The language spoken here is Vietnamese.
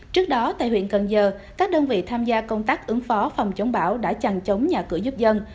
trước đó tại huyện cần giờ các đơn vị tham gia công tác ứng phó phòng chống bão đã chẳng chống nhà cửa giúp dân